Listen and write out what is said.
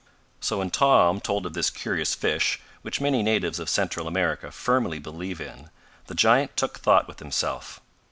So when Tom told of this curious fish, which many natives of Central America firmly believe in, the giant took thought with himself.